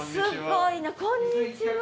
こんにちは。